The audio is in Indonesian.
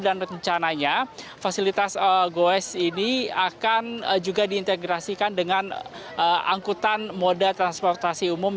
dan rencananya fasilitas goes ini akan juga diintegrasikan dengan angkutan moda transportasi umum